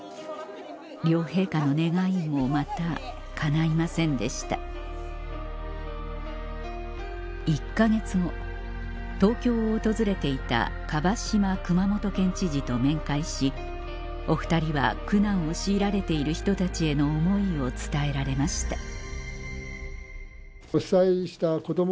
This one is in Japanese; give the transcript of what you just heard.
両陛下の願いもまたかないませんでした１か月後東京を訪れていた蒲島熊本県知事と面会しお２人は苦難を強いられている人たちへの思いを伝えられました